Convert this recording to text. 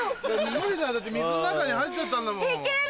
無理だよだって水の中に入っちゃったんだもん。